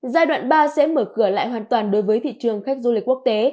giai đoạn ba sẽ mở cửa lại hoàn toàn đối với thị trường khách du lịch quốc tế